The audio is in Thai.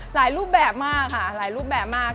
รูปแบบมากค่ะหลายรูปแบบมาก